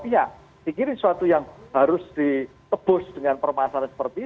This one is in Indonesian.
tapi ya pikirin suatu yang harus ditebus dengan permasalahan seperti ini